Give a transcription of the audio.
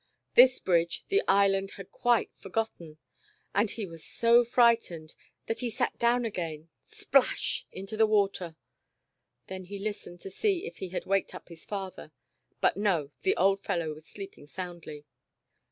This bridge the Island had quite forgot ten, and he was so frightened, that he sat down again, splash, into the water. Then he listened to see if he had waked up his father, but no, the old fellow was sleeping soundly.